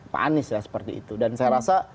pak anies ya seperti itu dan saya rasa